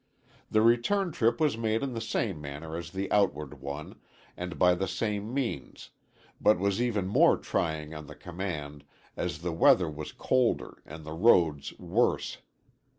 The return trip was made in the same manner as the outward one, and by the same means, but was even more trying on the command, as the weather was colder and the roads worse.